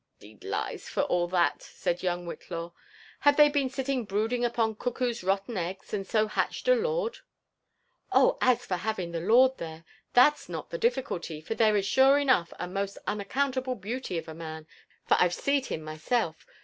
•«D— d lies, for all that," said young Whitlaw. Have they been sitting abrood upon cuckoo's rotten eggs, and so hatched a lord V '* OhI as for having the lord there, that's not the difficulty, for there he is sure enough, a most unaccountable beauty of a man, for I've see'd him myself.